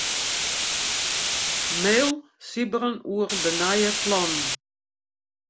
Mail Sybren oer de nije plannen.